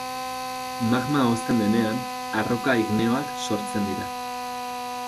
Magma hozten denean arroka igneoak sortzen dira.